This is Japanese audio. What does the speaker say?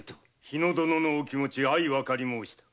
火野殿のお気持ちわかり申した。